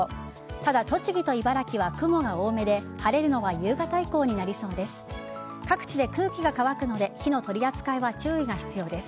ただ、栃木と茨城は雲が多めで晴れるのは夕方以降になりそうです。